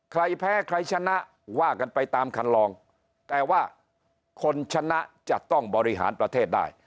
ใครแพ้ใครชนะว่ากันไปตามคันลองแต่ว่าคนชนะจะต้องบริหารประเทศได้